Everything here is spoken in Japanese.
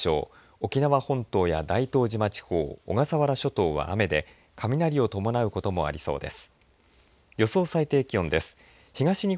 沖縄本島や大東島地方小笠原諸島は雨で雷を伴うこともありそうです。